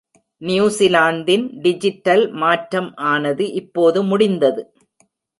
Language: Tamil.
நியூசிலாந்தின் டிஜிட்டல் மாற்றம் ஆனது இப்போது முடிந்தது.